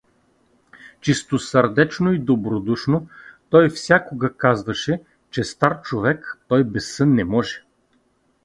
Чистосърдечно и добродушно той всякога казваше, че, стар човек, той без сън не може.